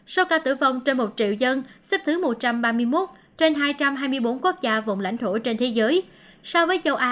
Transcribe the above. số ca tử vong trên một triệu dân xếp thứ một trăm ba mươi một trên hai trăm hai mươi bốn vùng lãnh thổ